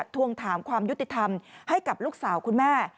ทวงถามความยุติธรรมให้กับลูกสาวคุณแม่